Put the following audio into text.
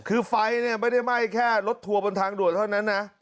คือไฟเนี่ยไม่ได้ไหม้แค่รถทัวร์บนทางด่วนเท่านั้นนะ